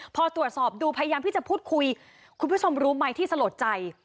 พอตรวจสอบดูพยายามที่จะพูดคุยคุณผู้ชมรู้ไหมที่สลดใจ